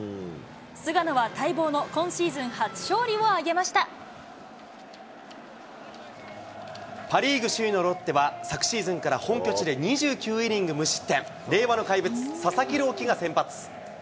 菅野は待望の今シーズン初勝パ・リーグ首位のロッテは、昨シーズンから本拠地で２９イニング無失点、令和の怪物、佐々木朗希が先発。